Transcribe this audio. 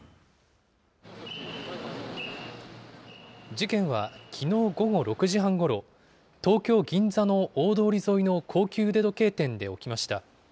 事件はきのう午後６時半ごろ、東京・銀座の大通り沿いの高級腕時計店で起きました。